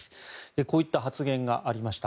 こういった発言がありました。